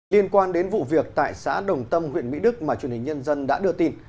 liên quan đến vụ việc tại xã đồng tâm huyện mỹ đức mà truyền hình nhân dân đã đưa tin